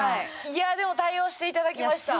いやあでも対応していただきました。